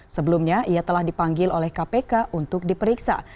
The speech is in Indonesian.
sebelumnya ia telah dipanggil oleh kpk untuk diperiksa